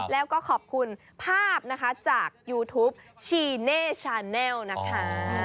แล้วก็ขอบคุณภาพนะคะจากยูทูปชีเน่ชาแนลนะคะ